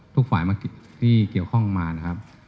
ทุกฝ่ายมาที่เกี่ยวข้องมานะครับ